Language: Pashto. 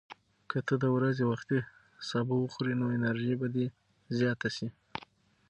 که ته د ورځې وختي سبو وخورې، نو انرژي به دې زیاته شي.